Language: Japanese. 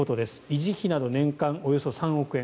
維持費など年間およそ３億円。